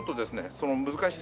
その難しい作業。